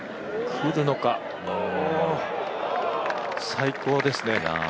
最高ですね。